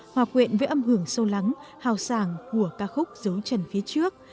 hòa quyện với âm hưởng sâu lắng hào sàng của ca khúc dấu trần phía trước